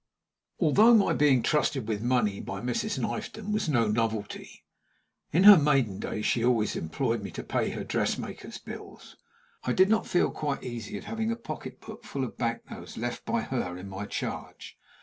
Although my being trusted with money by Mrs. Knifton was no novelty (in her maiden days she always employed me to pay her dress maker's bills), I did not feel quite easy at having a pocketbook full of bank notes left by her in my charge.